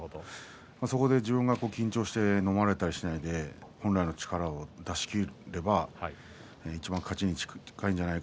そこで自分が緊張してのまれたりしないで本来の力を出し切ればいちばん、勝ちに近いんじゃない